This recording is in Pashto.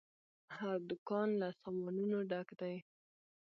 هر دوکان له سامانونو ډک دی.